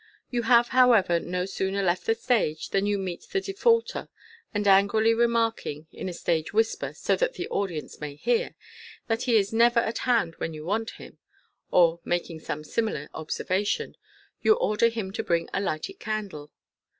You have, however, no sooner left the stage, than you meet the defaulter, and angrily remarking, in a stage whisper, so that the audience may hear, that he is never at hand when you want him, or making some similar observation, you order him to bring a lighted candle.